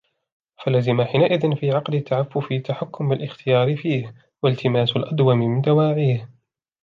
فَلَزِمَ حِينَئِذٍ فِي عَقْدِ التَّعَفُّفِ تَحَكُّمُ الِاخْتِيَارِ فِيهِ وَالْتِمَاسُ الْأَدْوَمِ مِنْ دَوَاعِيهِ